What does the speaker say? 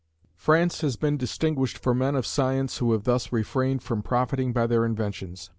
France has been distinguished for men of science who have thus refrained from profiting by their inventions.